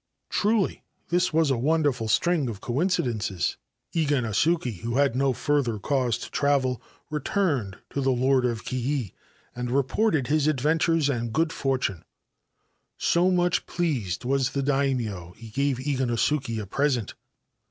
Truly this was a wonderful string of coincidences ! Iganosuke, who had no further cause to travel, returned :o the Lord of Kii, and reported his adventures and good •ortune. So much pleased was the Daimio, he gave [ganosuke a present.